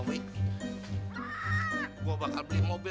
iya abang makan terlaluan